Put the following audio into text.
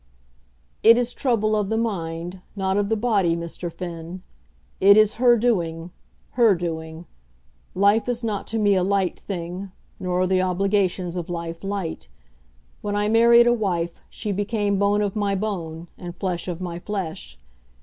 "It is trouble of the mind, not of the body, Mr. Finn. It is her doing, her doing. Life is not to me a light thing, nor are the obligations of life light. When I married a wife, she became bone of my bone, and flesh of my flesh.